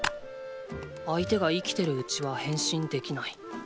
相手が生きてるうちは変身できない。